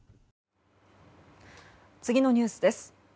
次のニュースです。